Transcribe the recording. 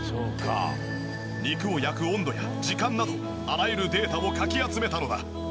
肉を焼く温度や時間などあらゆるデータをかき集めたのだ。